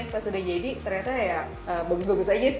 pas udah jadi ternyata ya bagus bagus aja